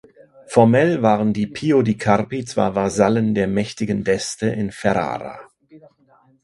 Formell waren die Pio di Carpi zwar Vasallen der mächtigen d’Este in Ferrara.